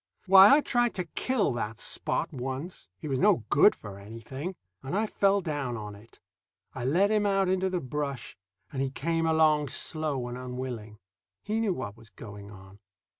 Why, I tried to kill that Spot once he was no good for anything; and I fell down on it. I led him out into the brush, and he came along slow and unwilling. He knew what was going on.